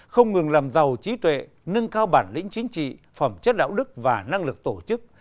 không ngừng làm giàu trí tuệ nâng cao bản lĩnh chính trị phẩm chất đạo đức và năng lực tổ chức